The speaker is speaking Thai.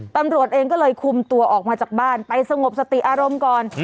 ตำรวจเองก็เลยคุมตัวออกมาจากบ้านไปสงบสติอารมณ์ก่อน